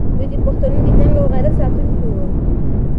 دوی د پښتنو د ننګ او غیرت ساتونکي وو.